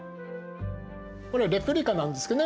これレプリカなんですけどね